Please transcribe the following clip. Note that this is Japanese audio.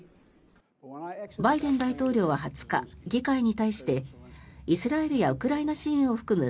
バイデン大統領は２０日議会に対してイスラエルやウクライナ支援を含む